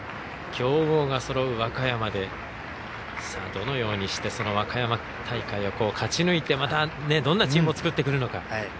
強豪がそろう和歌山でどのようにして和歌山大会を勝ち抜いてまた、どんなチームを作ってくるのか。